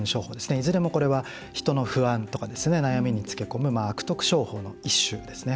いずれも、これは人の不安とか、悩みにつけ込む悪徳商法の一種ですね。